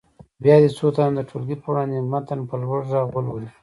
بیا دې څو تنه د ټولګي په وړاندې متن په لوړ غږ ولولي.